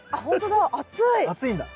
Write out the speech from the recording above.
暑いんだ。